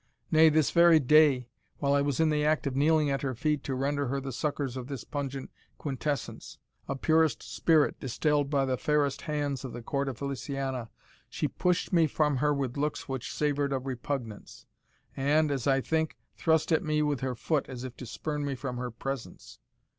Nay, this very day, while I was in the act of kneeling at her feet to render her the succours of this pungent quintessence, of purest spirit distilled by the fairest hands of the court of Feliciana, she pushed me from her with looks which savoured of repugnance, and, as I think, thrust at me with her foot as if to spurn me from her presence.